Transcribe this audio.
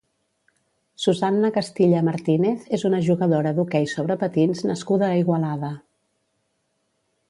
Susanna Castilla Martínez és una jugadora d'hoquei sobre patins nascuda a Igualada.